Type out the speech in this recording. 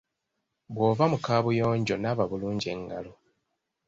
Bw'ova mu kaabuyonjo naaba bulungi engalo .